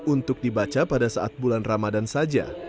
untuk dibaca pada saat bulan ramadan saja